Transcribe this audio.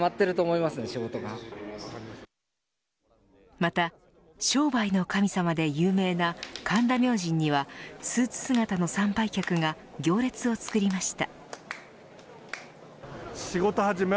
また商売の神様で有名な神田明神にはスーツ姿の参拝客が行列を作りました。